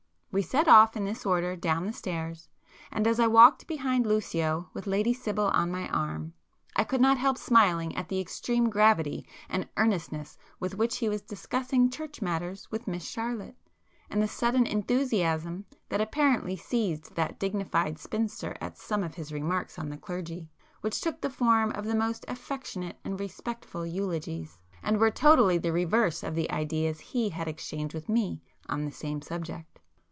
We set off in this order down the stairs, and as I walked behind Lucio with Lady Sibyl on my arm, I could not help smiling at the extreme gravity and earnestness with which he was discussing church matters with Miss Charlotte, and the sudden enthusiasm that apparently seized that dignified spinster at some of his remarks on the clergy, which took the form of the most affectionate and respectful eulogies, and were totally the reverse of the ideas he had exchanged with me on the same subject.